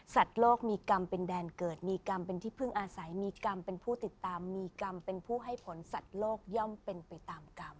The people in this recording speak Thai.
โลกมีกรรมเป็นแดนเกิดมีกรรมเป็นที่พึ่งอาศัยมีกรรมเป็นผู้ติดตามมีกรรมเป็นผู้ให้ผลสัตว์โลกย่อมเป็นไปตามกรรม